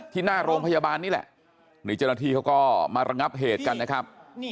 หน้าโรงพยาบาลนี่แหละนี่เจ้าหน้าที่เขาก็มาระงับเหตุกันนะครับ